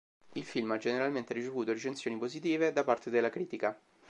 Il film ha generalmente ricevuto recensioni positive da parte della critica.